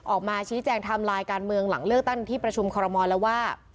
ออกมาชี้แจงไทม์ไลน์การเมืองหลังเลือกตั้งที่ประชุมคอรมอลแล้วว่า